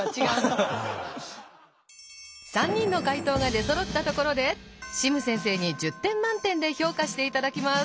３人の解答が出そろったところでシム先生に１０点満点で評価していただきます。